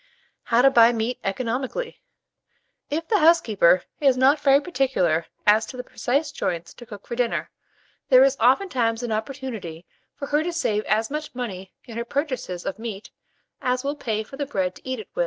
HOW TO BUY MEAT ECONOMICALLY. If the housekeeper is not very particular as to the precise joints to cook for dinner, there is oftentimes an opportunity for her to save as much money in her purchases of meat as will pay for the bread to eat with it.